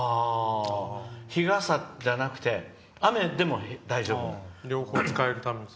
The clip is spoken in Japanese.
日傘じゃなくて雨でも大丈夫なのを。